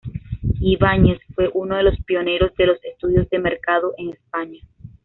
Ibáñez fue uno de los pioneros de los estudios de mercado en España.